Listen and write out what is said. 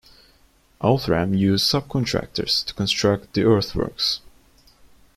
Outram used subcontractors to construct the earthworks.